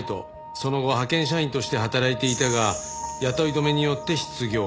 その後派遣社員として働いていたが雇い止めによって失業。